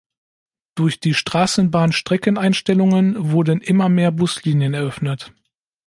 Durch die Straßenbahn-Streckeneinstellungen wurden immer mehr Buslinien eröffnet.